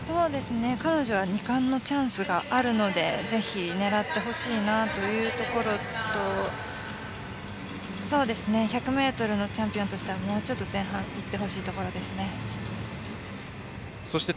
彼女は２冠のチャンスがあるのでぜひ狙ってほしいなというところと１００ｍのチャンピオンとしてはもうちょっと前半そして、